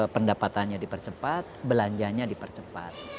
pendapatannya dipercepat belanjanya dipercepat